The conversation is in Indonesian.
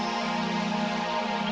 jangan berada semangat